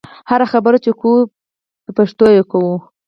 هره خبره چې کوو دې په پښتو کوو.